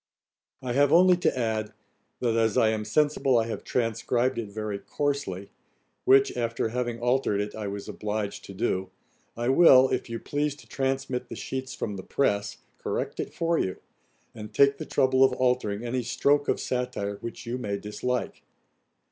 'I have only to add, that as I am sensible I have transcribed it very coarsely, which, after having altered it, I was obliged to do, I will, if you please to transmit the sheets from the press, correct it for you; and take the trouble of altering any stroke of satire which you may dislike.